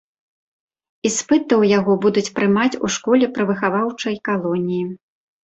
Іспыты ў яго будуць прымаць у школе пры выхаваўчай калоніі.